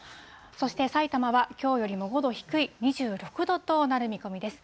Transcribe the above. そして、さいたまはきょうよりも５度低い２６度となる見込みです。